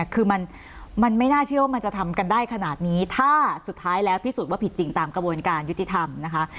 คือมันไม่น่าเชื่อว่ามันจะทำกันได้ขนาดนี้ถ้าสุดท้ายแล้วพิสูจน์ว่าผิดจริงตามกระบวนการยุติธรรมนะคะ